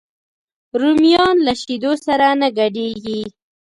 رومیان له شیدو سره نه ګډېږي